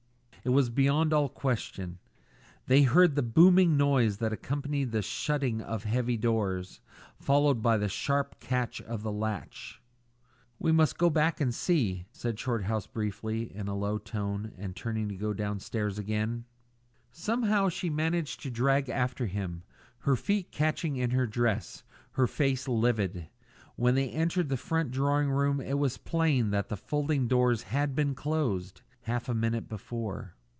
It was beyond all question; they heard the booming noise that accompanies the shutting of heavy doors, followed by the sharp catching of the latch. "We must go back and see," said Shorthouse briefly, in a low tone, and turning to go downstairs again. Somehow she managed to drag after him, her feet catching in her dress, her face livid. When they entered the front drawing room it was plain that the folding doors had been closed half a minute before.